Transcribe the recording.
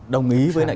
đồng ý với lại